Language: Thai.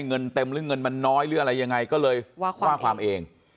เงินเต็มหรือเงินมันน้อยหรืออะไรยังไงก็เลยว่าความเอง